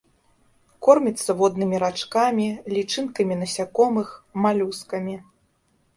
Корміцца воднымі рачкамі, лічынкамі насякомых, малюскамі.